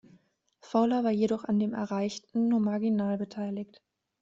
Fowler war jedoch an dem Erreichten nur marginal beteiligt.